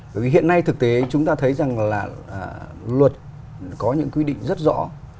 bởi vì hiện nay thực tế chúng ta thấy rằng là luật có những quy định rất rõ